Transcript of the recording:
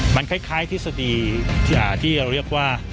มันคล้ายทฤษฎีที่เราเรียกว่า